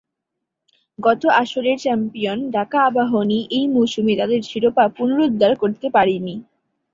গত আসরের চ্যাম্পিয়ন ঢাকা আবাহনী এই মৌসুমে তাদের শিরোপা পুনরুদ্ধার করতে পারেনি।